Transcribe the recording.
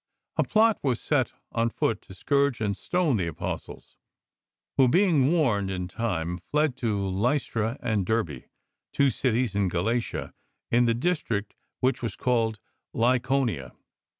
A plot was set on foot to scourge and stone the Apostles, who, being warned in ; time, fled to Lystra and Derbe, two cities of Galatia in the district which was called Lycaonia.